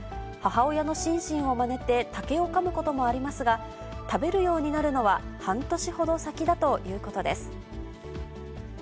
母親のシンシンをまねて、竹をかむこともありますが、食べるようになるのは半年ほど先だということです。